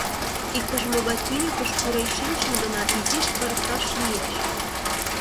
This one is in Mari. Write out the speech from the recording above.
Иктаж-могай тӱньыкыш пурен шинчын гына изиш ырыкташ лиеш.